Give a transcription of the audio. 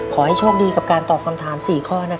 คุณผู้ชมครับพลังของ